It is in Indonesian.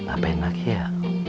apa yang lagi ya